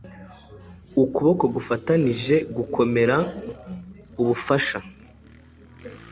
Ukuboko gufatanijegukomeraubufasha